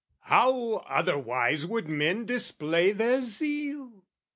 How otherwise would men display their zeal?